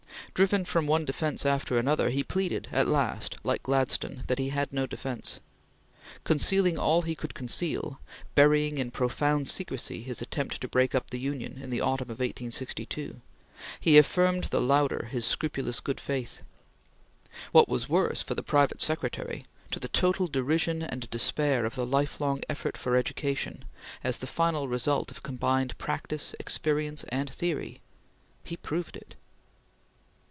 Driven from one defence after another, he pleaded at last, like Gladstone, that he had no defence. Concealing all he could conceal burying in profound secrecy his attempt to break up the Union in the autumn of 1862 he affirmed the louder his scrupulous good faith. What was worse for the private secretary, to the total derision and despair of the lifelong effort for education, as the final result of combined practice, experience, and theory he proved it.